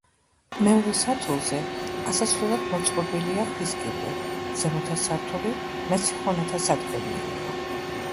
მეორე სართულზე ასასვლელად მოწყობილია ქვის კიბე ზემოთა სართული მეციხოვნეთა სადგომი იყო.